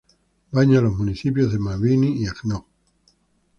Baña los municipios de Mabini y Agno.